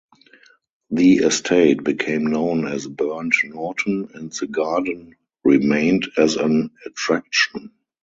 The estate became known as Burnt Norton and the garden remained as an attraction.